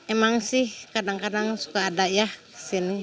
emang sih kadang kadang suka ada ya di sini